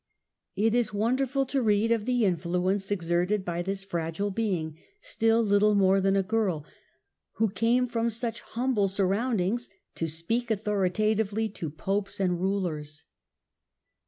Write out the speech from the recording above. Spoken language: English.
It is wonderful to read of the influence exerted by this fragile being, still little more than a girl, whe came from such humble surroundings to speak authoritatively to Popes and Rulers.